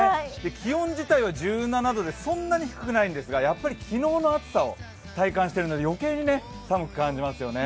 気温自体は１７度でそんなに低くないんですがやっぱり昨日の暑さを体感しているので余計に寒く感じますよね。